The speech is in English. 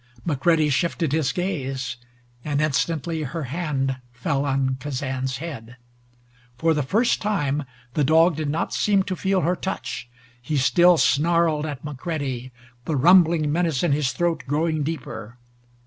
McCready shifted his gaze, and instantly her hand fell on Kazan's head. For the first time the dog did not seem to feel her touch. He still snarled at McCready, the rumbling menace in his throat growing deeper.